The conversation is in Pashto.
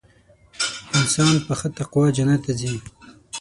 انسان په ښه تقوا جنت ته ځي .